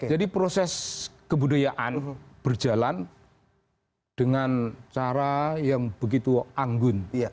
jadi proses kebudayaan berjalan dengan cara yang begitu anggun